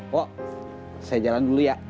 kok saya jalan dulu ya